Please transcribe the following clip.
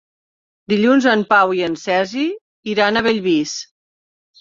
Dilluns en Pau i en Sergi iran a Bellvís.